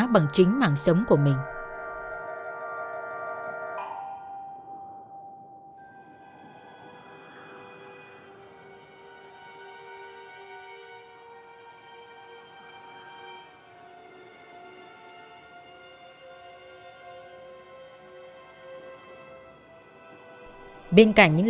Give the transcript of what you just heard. bằng chính mạng sống của mình